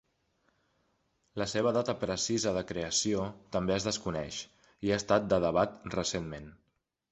La seva data precisa de creació també es desconeix i ha estat de debat recentment.